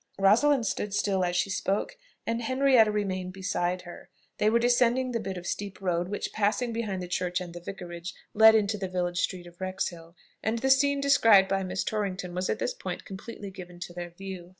Rosalind stood still as she spoke, and Henrietta remained beside her. They were descending the bit of steep road which, passing behind the church and the vicarage, led into the village street of Wrexhill, and the scene described by Miss Torrington was at this point completely given to their view.